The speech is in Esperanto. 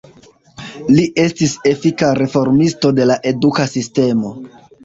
Li estis efika reformisto de la eduka sistemo.